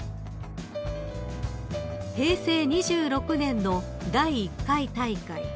［平成２６年の第１回大会］